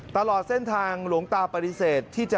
ตลอดเส้นทางหลวงตาปฏิเสธ